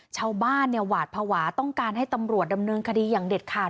ชาวบ้านเนี่ยหวาดภาวะต้องการให้ตำรวจดำเนินคดีอย่างเด็ดขาด